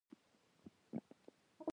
هیلۍ د طبیعت له اړخه یو ښایسته نظم لري